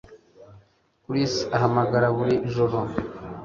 Chris ahamagara buri joro